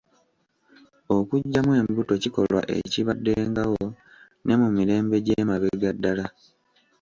Okuggyamu embuto kikolwa ekibaddengawo ne mu mirembe gy'emabega ddala